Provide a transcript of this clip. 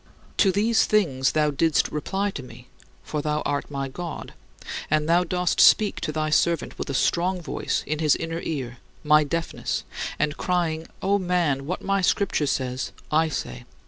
To these things, thou didst reply to me, for thou art my God, and thou dost speak to thy servant with a strong voice in his inner ear, my deafness, and crying: "O man, what my Scripture says, I say.